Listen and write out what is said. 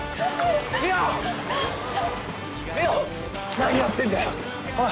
何やってんだよおい！